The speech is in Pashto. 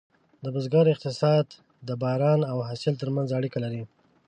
د بزګر اقتصاد د باران او حاصل ترمنځ اړیکه لري.